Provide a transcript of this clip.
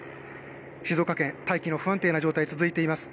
静岡県、大気の不安定な状態、続いています。